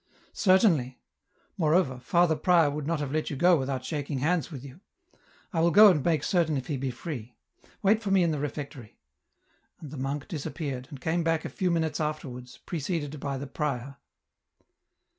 " Certainly ; moreover. Father prior would not have let you go without shaking hands with ynu. I will go and X $06 EN ROUTE. make certain if he be free. Wait for me in the refectory.' And the monk disappeared, and came back a few minute? afterwards, preceded by the prior.